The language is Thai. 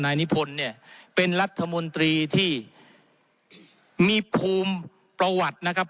นายนิพนธ์เนี่ยเป็นรัฐมนตรีที่มีภูมิประวัตินะครับ